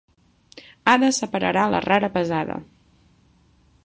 Ada separarà la rara pesada.